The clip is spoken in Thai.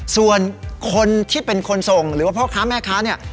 ส่วนคนที่เป็นคนส่งหรือว่าพ่อค้าแม่ค้าเนี่ย